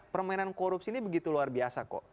permainan korupsi ini begitu luar biasa kok